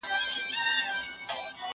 زه مخکي سبزېجات تيار کړي وو!!